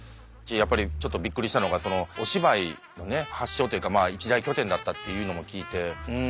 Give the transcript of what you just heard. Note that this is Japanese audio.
ちょっとビックリしたのがお芝居の発祥というか一大拠点だったっていうのも聞いてうん。